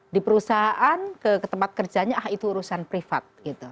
di perusahaan ke tempat kerjanya ah itu urusan privat